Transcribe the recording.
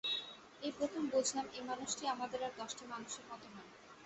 এই প্রথম বুঝলাম-এই মানুষটি আমাদের আর দশটি মানুষের মতো ময়।